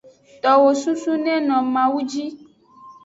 Towo susu neno mawu ji.